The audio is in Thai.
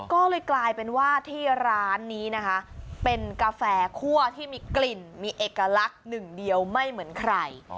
ก็เลยกลายเป็นว่าที่ร้านนี้นะคะเป็นกาแฟคั่วที่มีกลิ่นมีเอกลักษณ์หนึ่งเดียวไม่เหมือนใคร